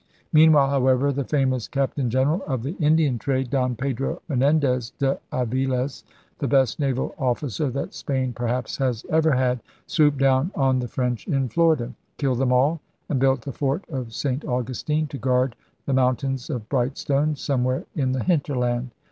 Meanwhile, however, the famous Captain General of the Indian trade, Don Pedro Menendez de Aviles, the best naval officer that Spain perhaps has ever had, swooped down on the French in Florida, killed them all, and built the fort of St. Augustine to guard the * Mountains of Bright Stones' some where in the hinterland.